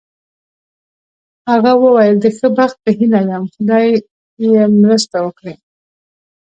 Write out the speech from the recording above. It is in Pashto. هغه وویل: د ښه بخت په هیله یې یم، خدای یې مرسته وکړي.